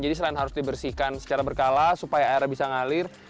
jadi selain harus dibersihkan secara berkala supaya airnya bisa ngalir